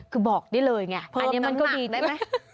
คือบอกได้เลยไงเพิ่มน้ำหนักได้ไหม